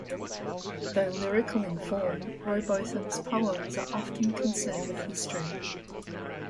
Though lyrical in form, Rowbotham's poems are often concerned with history.